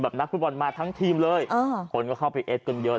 นักฟุตบอลมาทั้งทีมเลยคนก็เข้าไปเอ็ดกันเยอะ